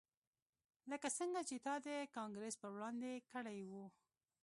لکه څنګه چې تا د کانګرس په وړاندې کړي وو